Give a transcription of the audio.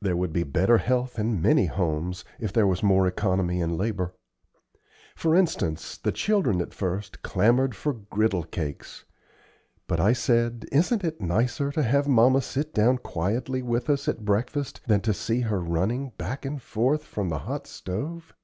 There would be better health in many homes if there was more economy in labor. For instance, the children at first clamored for griddle cakes, but I said, "Isn't it nicer to have mamma sit down quietly with us at breakfast than to see her running back and forth from the hot stove?"